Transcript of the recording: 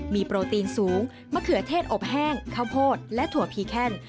มีโปรตีนสูงมะเขือเทศอบแห้งข้าวโพดและถั่วพีแคน